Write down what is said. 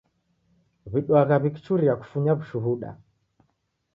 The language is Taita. W'iduagha w'ikichuria kufunya w'ushuda.